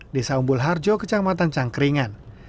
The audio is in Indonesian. desa umbul harjo kecamatan cangkringan